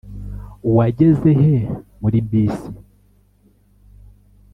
wageze he muri bisi?